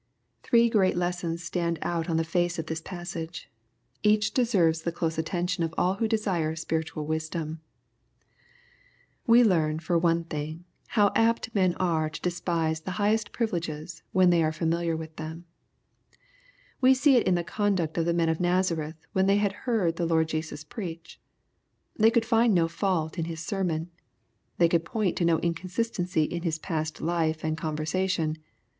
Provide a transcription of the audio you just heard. Thbke great lessons stand oat on the face of this passage. Each deserves the close attention of all who desire spiritual wisdom. /, We learn for one thing, Junv apt men are to despise the highest privUegea, when they arefamUiar toiih them. We see it in the conduct of the men of Nazareth when they had heard the Lord Jesus preach. They could find no fault in His sermon. They could point to no inconsistency in His past life and conversation.